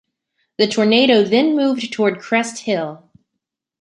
The tornado then moved towards Crest Hill.